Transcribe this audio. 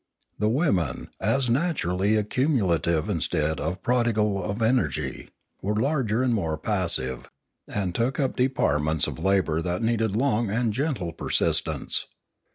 The women, as naturally ac cumulative instead of prodigal of energy, were larger and more passive, and took up departments of labour that needed long and gentle persistence.